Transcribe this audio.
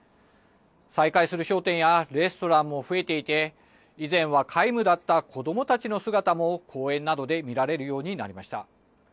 再開する商店やレストランも増えていて以前は皆無だった子どもたちの姿も公園などで見られるようになりました。